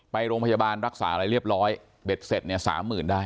ไปโรงพยาบาลรักษาอะไรเรียบร้อยเบ็ดเสร็จเนี่ยสามหมื่นได้